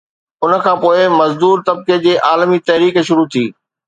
ان کان پوءِ مزدور طبقي جي عالمي تحريڪ شروع ٿي